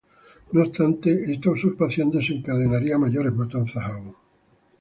No obstante, esta usurpación desencadenaría mayores matanzas aún.